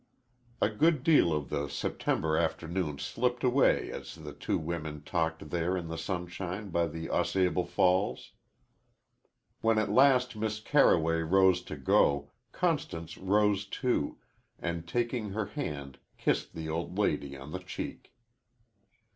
A good deal of the September afternoon slipped away as the two women talked there in the sunshine by the Au Sable Falls. When at last Miss Carroway rose to go, Constance rose, too, and, taking her hand, kissed the old lady on the cheek.